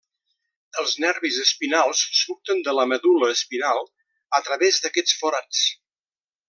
Els nervis espinals surten de la medul·la espinal a través d'aquests forats.